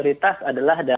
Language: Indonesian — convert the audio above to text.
itu jadinya ya